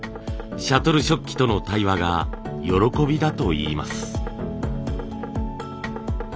シャトル織機との対話が喜びだといいます。